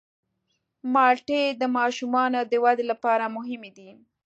مالټې د ماشومانو د ودې لپاره مهمې دي.